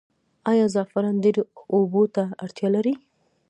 آیا زعفران ډیرې اوبو ته اړتیا لري؟